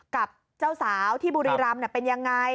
กับเจ้าสาวที่บุรีรำเป็นยังไง